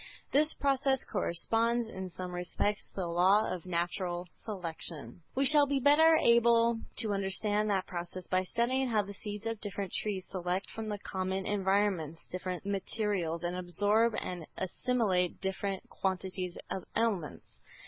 This process corresponds in some respects to the law of "natural selection." We shall be better able to understand that process by studying how the seeds of different trees select from the common environments different materials, and absorb and assimilate different quantities of elements.